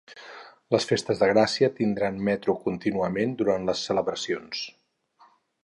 Les festes de Gràcia tindran metro continuadament durant les celebracions